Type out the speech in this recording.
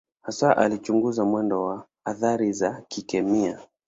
Hasa alichunguza mwendo wa athari za kikemia.